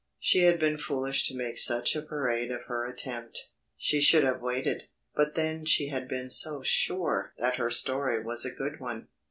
She had been foolish to make such a parade of her attempt. She should have waited. But then she had been so sure that her story was a good one.